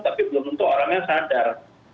tapi belum tentu orangnya sadar